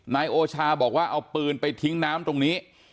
นายโอชาบอกว่าเอาปืนไปทิ้งน้ำตรงนี้